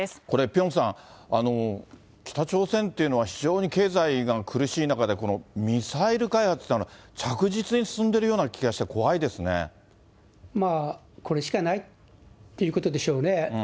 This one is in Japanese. これ、ピョンさん、北朝鮮っていうのは、非常に経済が苦しい中で、このミサイル開発っていうのは着実に進んでいるような気がこれしかないっていうことでしょうね。